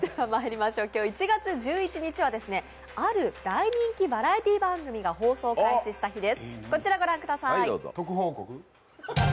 今日１月１１日はある大人気バラエティー番組が放送開始した日です。